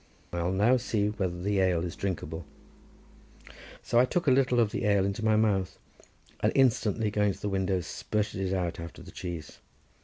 I'll now see whether the ale is drinkable;" so I took a little of the ale into my mouth, and instantly going to the window, spirted it out after the cheese.